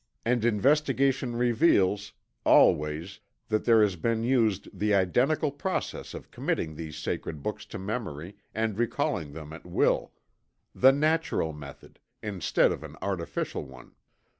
And investigation reveals, always, that there has been used the identical process of committing these sacred books to memory, and recalling them at will the natural method, instead of an artificial one.